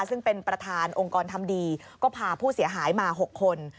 ซึ่งเป็นประธานองค์กรทำดีก็พาผู้เสียหายมา๖คน